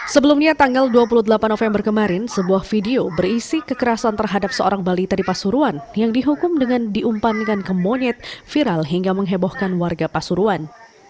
sebelumnya tanggal dua puluh delapan november kemarin sebuah video berisi kekerasan terhadap seorang balita di pasuruan yang dihukum dengan diumpankan ke monyet viral hingga menghebohkan warga pasuruan